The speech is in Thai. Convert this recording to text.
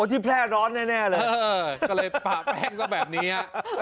ที่แพร่ร้อนแน่เลยก็เลยปะแป้งซะแบบนี้